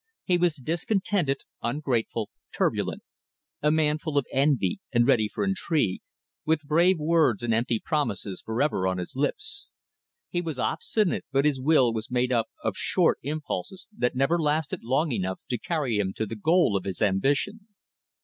He was discontented, ungrateful, turbulent; a man full of envy and ready for intrigue, with brave words and empty promises for ever on his lips. He was obstinate, but his will was made up of short impulses that never lasted long enough to carry him to the goal of his ambition.